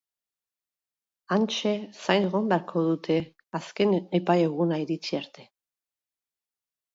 Hantxe zain egon beharko dute Azken Epai Eguna iritsi arte.